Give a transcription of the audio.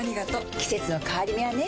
季節の変わり目はねうん。